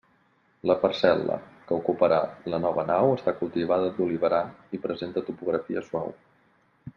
La parcel·la que ocuparà la nova nau està cultivada d'oliverar i presenta topografia suau.